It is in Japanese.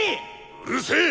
うるせえ！